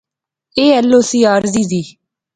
ایہہ ایل او سی عارضی دی